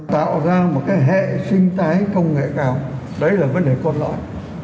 tạo ra một hệ sinh thái công nghệ cao đấy là vấn đề côn loại